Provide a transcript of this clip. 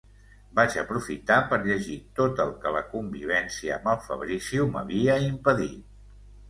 Vaig aprofitar per llegir tot el que la convivència amb el Fabrizio m'havia impedit.